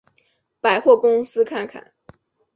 百货公司看看